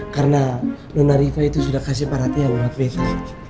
karena nona rifat itu sudah kasih perhatian banget beta